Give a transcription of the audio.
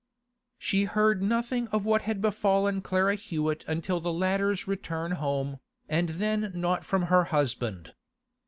She heard nothing of what had befallen Clara Hewett until the latter's return home, and then not from her husband.